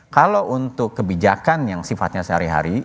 kalau untuk kebijakan yang sifatnya sehari hari